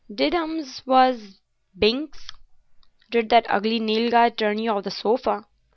"Did ums was, Binks? Did that ugly Nilghai turn you off the sofa?